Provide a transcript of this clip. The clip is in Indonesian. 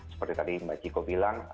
seperti tadi mbak ciko bilang